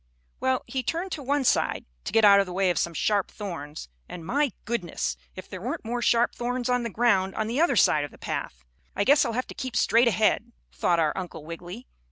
Well, he turned to one side, to get out of the way of some sharp thorns, and, my goodness! if there weren't more sharp thorns on the ground on the other side of the path. "I guess I'll have to keep straight ahead!" thought our Uncle Wiggily.